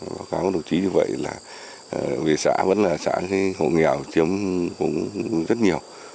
các đồng chí như vậy là vì xã vẫn là xã hộ nghèo chiếm cũng rất nhiều